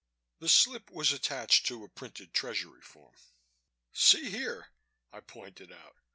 The slip was attached to a printed Treasury form. "See here," I pointed out.